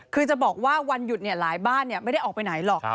คือจะบอกว่าวันหยุดหลายบ้านไม่ได้ออกไปไหนหรอก